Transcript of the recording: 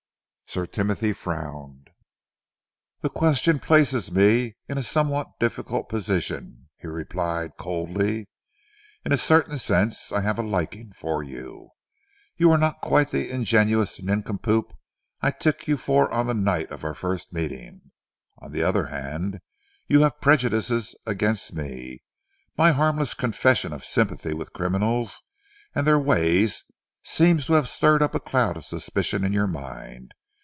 Sir Timothy frowned. "The question places me in a somewhat difficult position," he replied coldly. "In a certain sense I have a liking for you. You are not quite the ingenuous nincompoop I took you for on the night of our first meeting. On the other hand, you have prejudices against me. My harmless confession of sympathy with criminals and their ways seems to have stirred up a cloud of suspicion in your mind.